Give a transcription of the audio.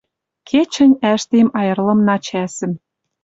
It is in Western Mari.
Кечӹнь ӓштем айырлымна чӓсӹм